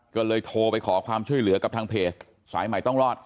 ก็เลยโทรไปขอความช่วยเหลือกับทางเพจสายใหม่ต้องรอด